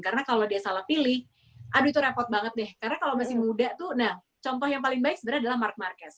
karena kalau dia salah pilih aduh itu repot banget deh karena kalau masih muda tuh nah contoh yang paling baik sebenarnya adalah mark marquez